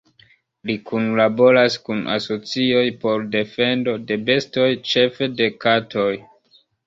Li kunlaboras kun asocioj por defendo de bestoj, ĉefe de katoj.